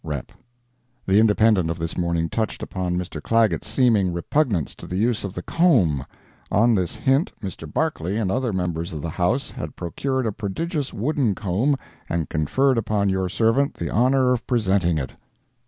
—REP.] [The Independent of this morning touched upon Mr. Clagett's seeming repugnance to the use of the comb. On this hint, Mr. Barclay and other members of the House, had procured a prodigious wooden comb and conferred upon your servant the honor of presenting it.